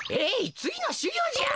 つぎのしゅぎょうじゃ。